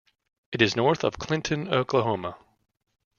It is north of Clinton, Oklahoma.